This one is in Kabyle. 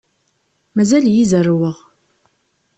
Mazal-iyi zerrweɣ.